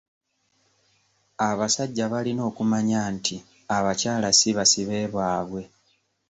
Abasajja balina okumanya nti abakyala si basibe baabwe.